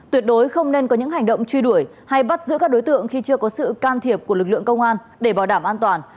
tuyệt đối không nên có những hành động truy đuổi hay bắt giữ các đối tượng khi chưa có sự can thiệp của lực lượng công an để bảo đảm an toàn